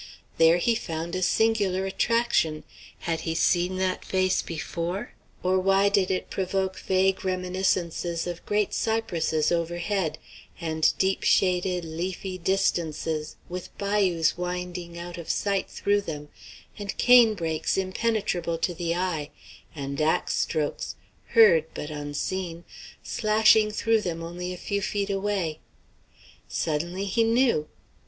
There he found a singular attraction. Had he seen that face before, or why did it provoke vague reminiscences of great cypresses overhead, and deep shaded leafy distances with bayous winding out of sight through them, and cane brakes impenetrable to the eye, and axe strokes heard but unseen slashing through them only a few feet away? Suddenly he knew.